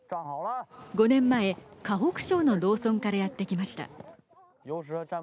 ５年前河北省の農村からやってきました。